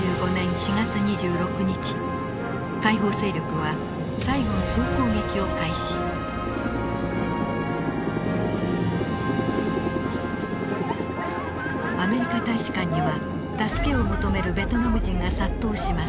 アメリカ大使館には助けを求めるベトナム人が殺到します。